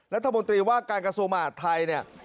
รัฐมนตรีว่าการกระทรวงมหาดไทยเนี่ย